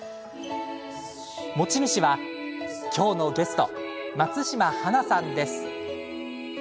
持ち主は、今日のゲスト松島花さんです。